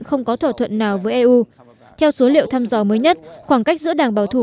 không có thỏa thuận nào với eu theo số liệu thăm dò mới nhất khoảng cách giữa đảng bảo thủ